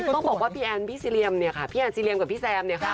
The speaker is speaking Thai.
ต้องบอกว่าพี่แอนซีเรียมกับพี่แซม